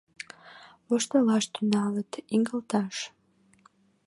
Воштылаш тӱҥалыт, игылташ.